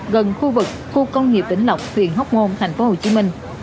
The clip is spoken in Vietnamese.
gần khu vực khu công nghiệp tỉnh lộc huyện hóc môn thành phố hồ chí minh